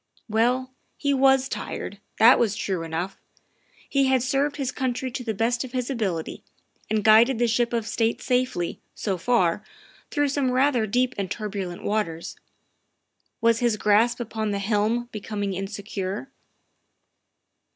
Well, he was tired, that was true enough. He had served his country to the best of his ability, and guided the ship of state safely, so far, through some rather deep and turbulent waters. Was his grasp upon the helm becoming insecure?